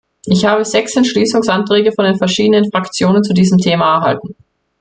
Ich habe sechs Entschließungsanträge von den verschiedenen Fraktionen zu diesem Thema erhalten.